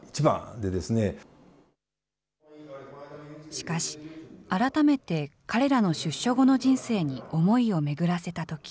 しかし、改めて彼らの出所後の人生に思いを巡らせたとき、